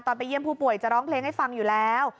ไปเยี่ยมผู้ป่วยจะร้องเพลงให้ฟังอยู่แล้ว